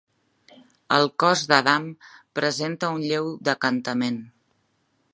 El cos d'Adam presenta un lleu decantament.